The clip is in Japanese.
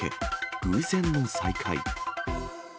偶然の再会。